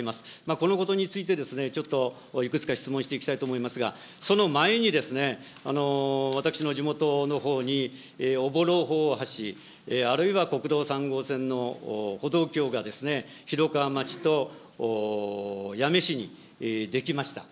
このことについて、ちょっといくつか質問していきたいと思いますが、その前に私の地元のほうに、朧大橋、あるいは国道３号線の歩道橋が広川町と八女市にできました。